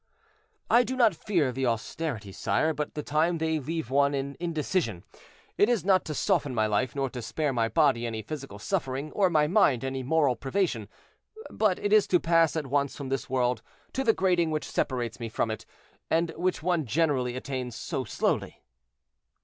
"I do not fear the austerities, sire, but the time they leave one in indecision. It is not to soften my life, nor to spare my body any physical suffering, or my mind any moral privation, but it is to pass at once from this world to the grating which separates me from it, and which one generally attains so slowly."